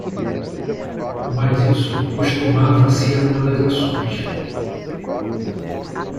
Mas isso costumava ser uma das ações.